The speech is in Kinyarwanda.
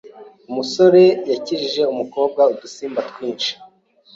Umusore yakijije umukobwa udusimba twinshi.